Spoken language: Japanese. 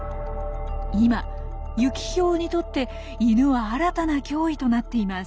今ユキヒョウにとってイヌは新たな脅威となっています。